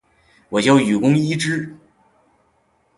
我叫雨宫伊织！